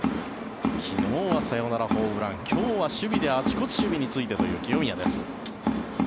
昨日はサヨナラホームラン今日は守備であちこち守備に就いてという清宮です。